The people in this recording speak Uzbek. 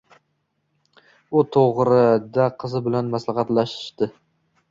U to'g'rida qizi bilan maslahatlashdi: